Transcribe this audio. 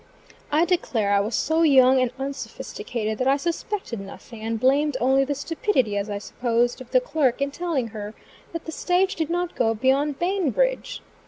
I declare, I was so young and unsophisticated that I suspected nothing, and blamed only the stupidity, as I supposed, of the clerk in telling her that the stage did not go beyond Bainbridge.